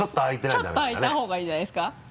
ちょっと開いた方がいいんじゃないですか？